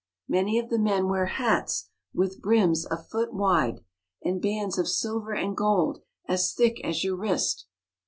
Many of the men wear hats with brims a foot 328 MEXICO. wide, and bands of silver and gold as thick as your wrist.